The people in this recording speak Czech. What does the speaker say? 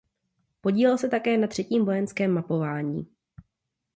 Podílel se také na třetím vojenském mapování.